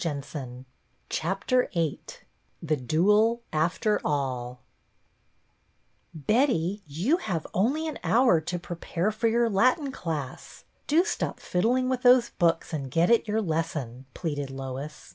VIII THE DUEL — AFTER ALL " T^ETTY, you have only an hour to I prepare for your Latin class. Do stop fiddling with those books and get at your lesson," pleaded Lois.